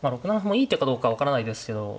６七歩もいい手かどうか分からないですけど。